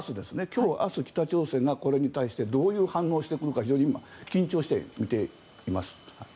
今日明日北朝鮮がこれに対してどういう反応をしてくるか非常に今、緊張して見ています。